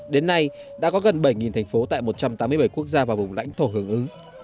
đến nay đã có gần bảy thành phố tại một trăm tám mươi bảy quốc gia và vùng lãnh thổ hưởng ứng